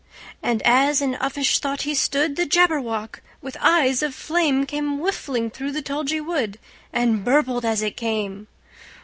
And as in uffish thought he stood, The Jabberwock, with eyes of flame, Came whiffling through the tulgey wood, And burbled as it came!